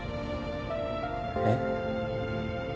えっ？